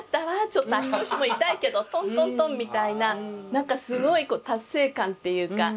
ちょっと足腰も痛いけどトントントン」みたいな何かすごい達成感っていうか。